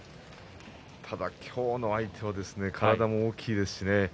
ただ今日の相手は体も大きいですしね。